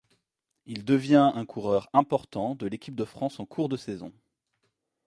Il devient un coureur important de l'équipe de France en cours de saison.